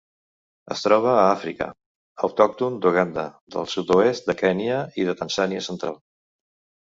Es troba a Àfrica: autòcton d'Uganda, del sud-oest de Kenya i de Tanzània central.